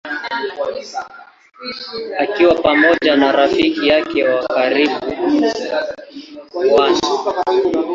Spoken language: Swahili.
Akiwa pamoja na rafiki yake wa karibu Bw.